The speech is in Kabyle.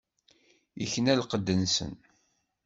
Ikna lqedd-nsen.